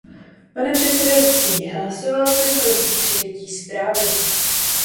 Pane předsedající, hlasoval jsem proti přijetí zprávy.